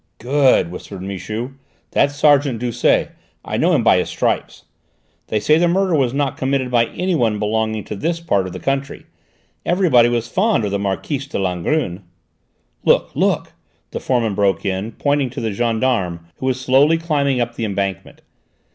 "Good!" whispered Michu; "that's sergeant Doucet: I know him by his stripes. They say the murder was not committed by anyone belonging to this part of the country; everybody was fond of the Marquise de Langrune." "Look! Look!" the foreman broke in, pointing to the gendarme who was slowly climbing up the embankment.